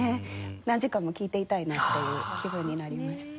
何時間も聴いていたいなっていう気分になりました。